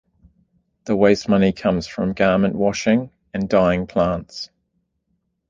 The waste mostly comes from garment washing and dyeing plants.